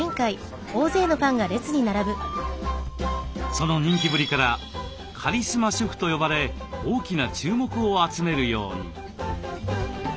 その人気ぶりから「カリスマ主婦」と呼ばれ大きな注目を集めるように。